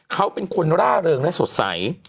เขาเป็นคนร่าเริงและสดใส